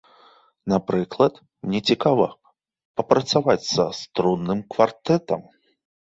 Напрыклад, мне цікава папрацаваць са струнным квартэтам.